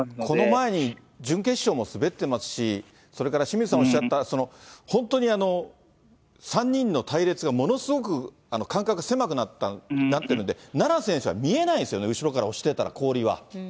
この前に準決勝も滑ってますし、それから清水さんおっしゃった、本当に３人の隊列がものすごく間隔が狭くなってるんで、菜那選手は見えないんですよね、後ろから押してたら、氷は。